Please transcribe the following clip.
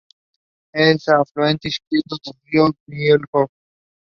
There are also many small canals.